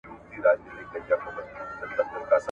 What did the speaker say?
موږ به په ډېره مينه په جشن کي ګډون کوو.